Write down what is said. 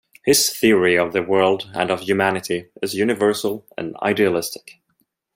His theory of the world and of humanity is universal and idealistic.